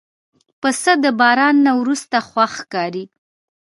پسه د باران نه وروسته خوښ ښکاري.